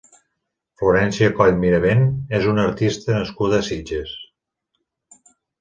Florència Coll Mirabent és una artista nascuda a Sitges.